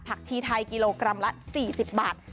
ชีไทยกิโลกรัมละ๔๐บาท